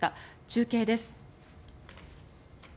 中継です。